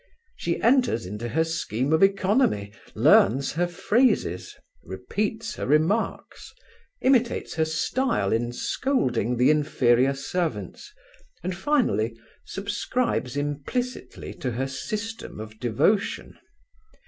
She enters into her scheme of oeconomy, learns her phrases, repeats her remarks, imitates her stile in scolding the inferior servants, and, finally, subscribes implicitly to her system of devotion.